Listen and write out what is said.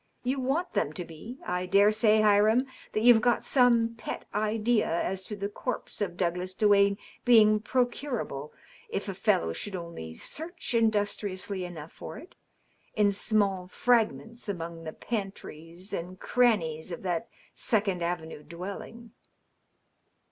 " You want them to be. I dare say, Hiram, that you've got some pet idea as to the corpse of Douglas Duane being pro curable, if a fellow should only search industriously enough for it, in small fragments among the pantries and crannies of iJiat Second Avenue dwelling."